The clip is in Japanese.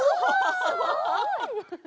すごい！